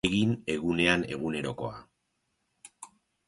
Egin egunean egunerokoa.